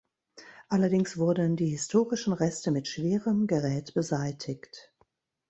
Allerdings wurden die historischen Reste mit schwerem Gerät beseitigt.